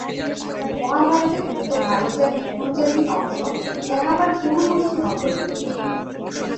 মহাভারতে উক্ত ভারত জাতি কুরু জাতির অংশ, যা আবার পুরু গোষ্ঠীর অন্তর্ভুক্ত।